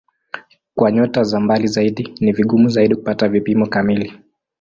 Kwa nyota za mbali zaidi ni vigumu zaidi kupata vipimo kamili.